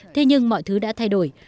thế nhưng mọi thứ đã thay đổi